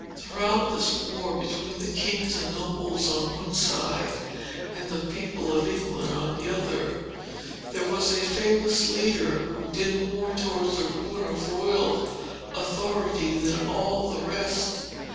Throughout this war between the king and nobles on one side, and the people of England on the other, there was a famous leader, who did more towards the ruin of royal authority, than all the rest.